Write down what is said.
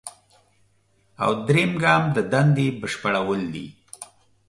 او دریم ګام د دندې بشپړول دي.